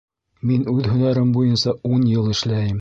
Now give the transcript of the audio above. Мин үҙ һәнәрем буйынса ун йыл эшләйем